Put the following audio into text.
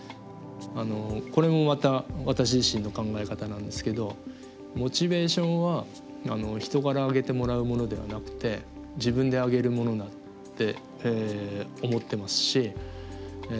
あのこれもまた私自身の考え方なんですけどモチベーションは人から上げてもらうものではなくて自分で上げるものだって思ってますし